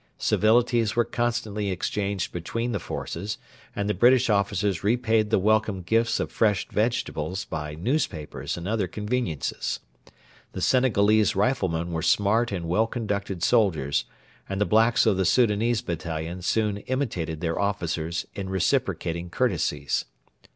Civilities were constantly exchanged between the forces, and the British officers repaid the welcome gifts of fresh vegetables by newspapers and other conveniences. The Senegalese riflemen were smart and well conducted soldiers, and the blacks of the Soudanese battalion soon imitated their officers in reciprocating courtesies.